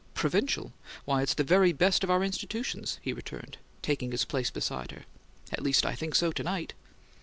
"'Provincial?' Why, it's the very best of our institutions," he returned, taking his place beside her. "At least, I think so to night."